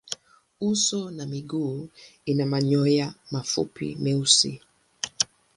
Uso na miguu ina manyoya mafupi meusi.